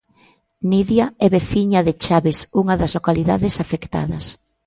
Nidia é veciña de Chaves, unha das localidades afectadas.